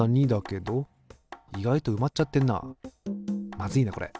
まずいなこれ。